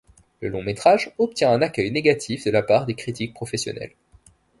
Le long-métrage obtient un accueil négatif de la part des critiques professionnels.